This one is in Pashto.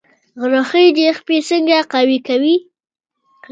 غره خیژي پښې څنګه قوي کوي؟